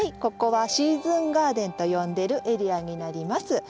ここは「シーズンガーデン」と呼んでるエリアになります。